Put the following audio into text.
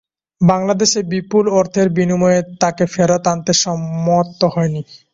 বাংলাদেশ ওই বিপুল অর্থের বিনিময়ে তাকে ফেরত আনতে সম্মত হয়নি।